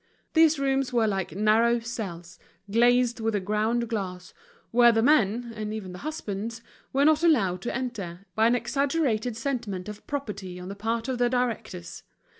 These rooms were like narrow cells, glazed with ground glass, where the men, and even the husbands, were not allowed to enter, by an exaggerated sentiment of propriety on the part of the directors.